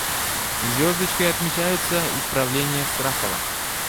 Звездочкой отмечаются исправления Страхова.